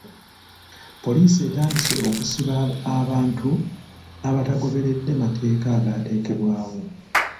Poliisi etandise okusiba abantu abatagoberedde mateeka agaateekebwawo.